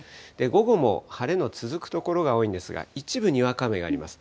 午後も晴れの続く所が多いんですが、一部、にわか雨があります。